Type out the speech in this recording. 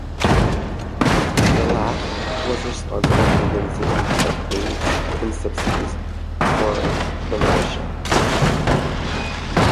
The lathe was responsible for the raising of aids and subsidies for the Militia.